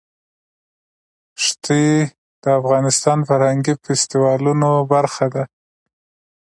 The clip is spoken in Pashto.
ښتې د افغانستان د فرهنګي فستیوالونو برخه ده.